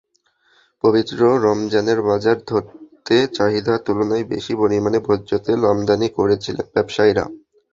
পবিত্র রমজানের বাজার ধরতে চাহিদার তুলনায় বেশি পরিমাণে ভোজ্যতেল আমদানি করেছিলেন ব্যবসায়ীরা।